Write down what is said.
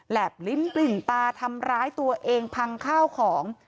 บลิ้มกลิ่นตาทำร้ายตัวเองพังข้าวของ